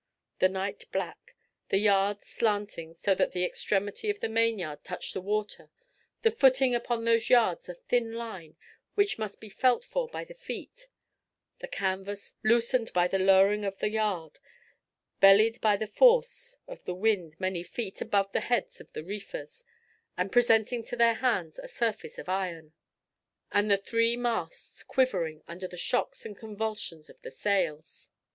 The night black; the yards slanting so that the extremity of the mainyard touched the water; the footing upon those yards a thin line which must be felt for by the feet; the canvas, loosened by the lowering of the yard, bellied by the force of the wind many feet above the heads of the reefers, and presenting to their hands a surface of iron; and the three masts quivering under the shocks and convulsions of the sails!